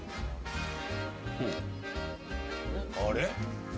あれ？